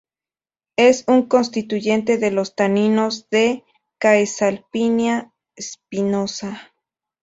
Es un constituyente de los taninos de "Caesalpinia spinosa".